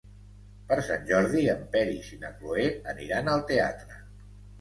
Per Sant Jordi en Peris i na Cloè aniran al teatre.